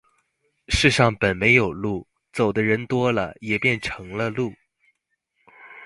世上本没有路，走的人多了，也便成了路。